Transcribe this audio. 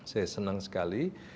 saya senang sekali